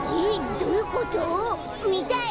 どういうこと？みたい！